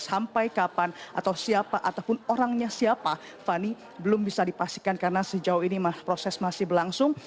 sampai kapan atau siapa ataupun orangnya siapa fani belum bisa dipastikan karena sejauh ini proses masih berlangsung